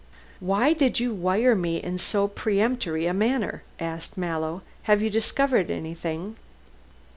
"Why did you wire me in so peremptory a manner?" asked Mallow; "have you discovered anything?"